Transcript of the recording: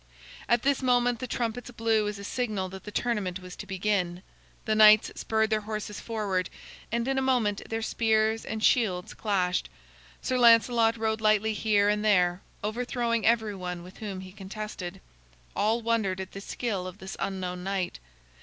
At this moment the trumpets blew as a signal that the tournament was to begin. The knights spurred their horses forward, and in a moment their spears and shields clashed. Sir Lancelot rode lightly here and there, overthrowing everyone with whom he contested. All wondered at the skill of this unknown knight.